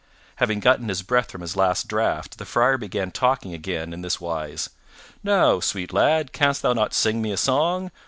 Having gotten his breath from his last draught, the Friar began talking again in this wise: "Now, sweet lad, canst thou not sing me a song?